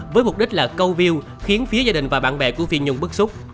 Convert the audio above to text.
với mục đích là câu view khiến phía gia đình và bạn bè của phi nhung bức xúc